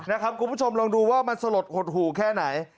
คุณผู้ชมลองดูว่ามันสลดหดหู่แค่ไหน